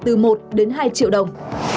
từ một đến hai triệu đồng